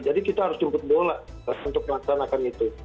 jadi kita harus jemput bola untuk melaksanakan itu